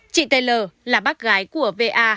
chị taylor là bác gái của v a